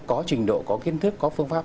có trình độ có kiến thức có phương pháp